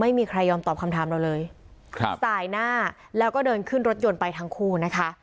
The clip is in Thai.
ไม่ยอมตอบคำถามเราเลยครับสายหน้าแล้วก็เดินขึ้นรถยนต์ไปทั้งคู่นะคะ